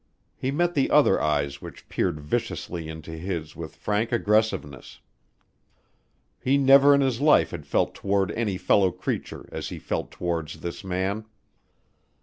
He met the other eyes which peered viciously into his with frank aggressiveness. He never in his life had felt toward any fellow creature as he felt towards this man.